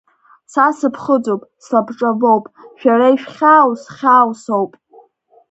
Са сыԥхыӡуп, слабҿабоуп, шәара ишәхьаау зхьаау соуп.